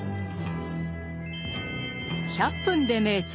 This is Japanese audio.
「１００分ｄｅ名著」